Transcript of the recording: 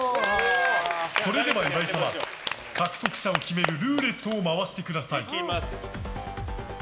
それでは岩井様獲得者を決めるルーレットを回してください。